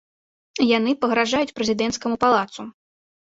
Яны пагражаюць прэзідэнцкаму палацу.